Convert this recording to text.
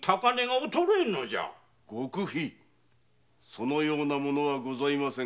そのようなものはございません。